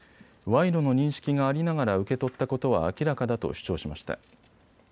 賄賂の認識がありながら受け取ったことは明らかだと主張しました。